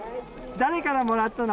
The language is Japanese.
誰からもらったの？